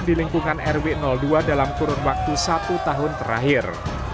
di lingkungan rw dua dalam kurun waktu satu tahun terakhir